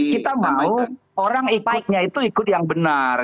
kita mau orang ikutnya itu ikut yang benar